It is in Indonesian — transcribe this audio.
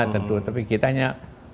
tentu tapi kita hanya